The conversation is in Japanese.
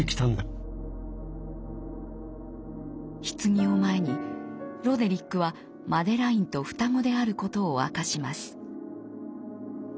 ひつぎを前にロデリックはマデラインと双子であることを明かします。